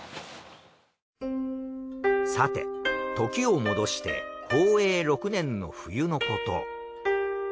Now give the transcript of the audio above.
さて時を戻して宝永６年の冬のこと。